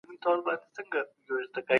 تر پایه به ټول کارونه خلاص سوي وي.